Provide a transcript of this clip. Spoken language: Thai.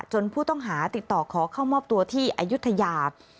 ผู้ต้องหาติดต่อขอเข้ามอบตัวที่อายุทยา